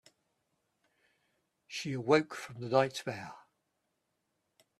She awoke from the nightmare.